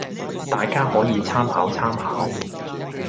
大家可以參考參考